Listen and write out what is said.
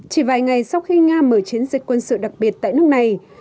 chỉ vài ngày sau khi nga mở chiến dịch quân sự đặc biệt tại nước này